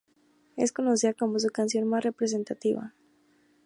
Es conocida como su canción más representativa.